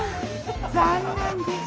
残念です。